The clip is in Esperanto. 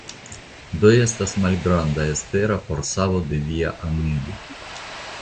Do estas malgranda espero por savo de via animo.